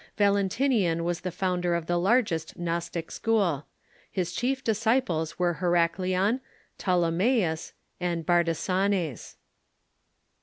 Valentinian was the founder of the largest Gnostic school. His chief disciples were Herac leon, Ptolemaeus, and Bardesanes.